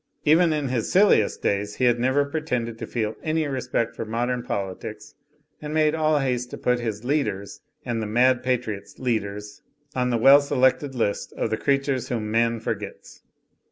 Even in his siU liest days, he had never pretended to feel any respect for modem politics, and made all haste to put his "lead ers*' and the mad patriot's ^leaders" on the well se lected list of the creatures whom man forgets.